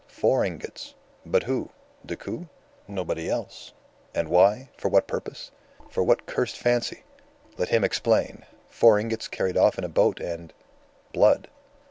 Four ingots. But who? Decoud? Nobody else. And why? For what purpose? For what cursed fancy? Let him explain. Four ingots carried off in a boat, and blood!